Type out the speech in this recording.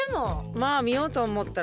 まあ見ようと思ったら。